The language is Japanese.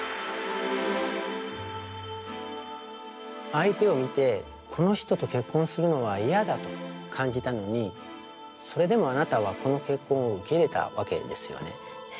相手を見てこの人と結婚するのは嫌だと感じたのにそれでもあなたはこの結婚を受け入れたわけですよね。